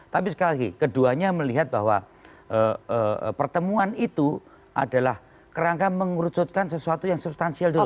tapi sekali lagi keduanya melihat bahwa pertemuan itu adalah kerangka mengurucutkan sesuatu yang substansial dulu